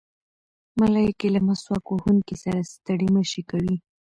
ملایکې له مسواک وهونکي سره ستړې مه شي کوي.